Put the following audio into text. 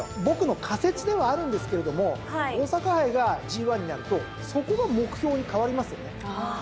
僕の仮説ではあるんですけれども大阪杯がＧⅠになるとそこが目標に変わりますよね。